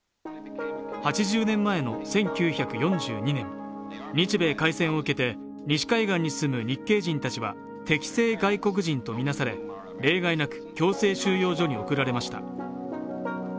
８０年前の１９４２年、日米開戦を受けて西海岸に住む日系人たちは敵性外国人とみなされ、例外なく強制収容所に送られました。